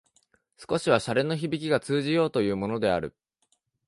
少しは洒落のひびきが通じようというものである